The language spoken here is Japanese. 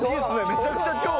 めちゃくちゃ今日。